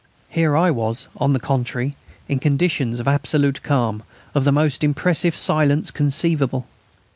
Here I was, on the contrary, in conditions of absolute calm, of the most impressive silence conceivable.